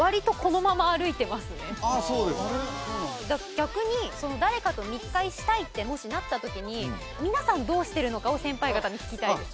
逆に誰かと密会したいってもしなった時に皆さんどうしてるのかを先輩方に聞きたいです